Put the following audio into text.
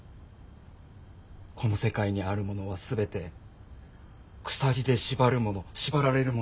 この世界にあるものは全て鎖で縛るもの縛られるものだけだ。